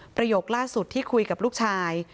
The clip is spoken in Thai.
ประโยคล่าสุดที่คุยกับลูกชาย